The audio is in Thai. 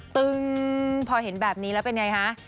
ตึงพอเห็นแบบนี้แล้วเป็นไงฮะ